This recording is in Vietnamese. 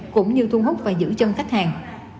cũng như thu hút và giữ chân khách hàng